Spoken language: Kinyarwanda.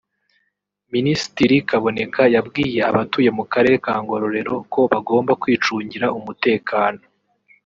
Minisitiri Kaboneka yabwiye abatuye mu karere ka Ngororero ko bagomba kwicungira umutekano